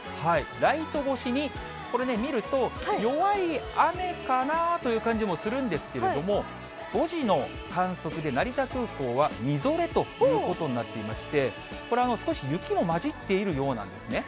ライト越しに、これね、見ると、弱い雨かなという感じもするんですけれども、５時の観測で、成田空港はみぞれということになっていまして、これ、少し雪も交じっているようなんですね。